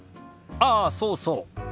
ああそうそう。